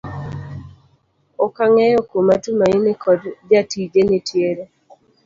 okang'eyo kuma Tumaini koda jatije nitiere.